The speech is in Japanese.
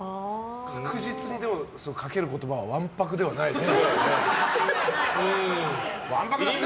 確実に、でも、かける言葉はわんぱくではないね。